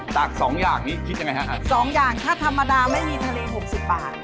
จากสองอย่างนี้คิดยังไงฮะสองอย่างถ้าธรรมดาไม่มีทะเลหกสิบบาท